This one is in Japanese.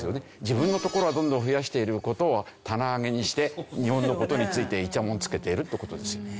自分のところはどんどん増やしている事を棚上げにして日本の事についてイチャモンつけているって事です。